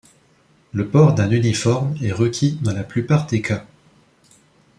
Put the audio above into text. Le port d'un uniforme est requis dans la plupart des cas.